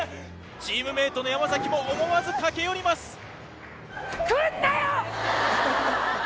チームメイトの山崎も思わず駆け寄ります。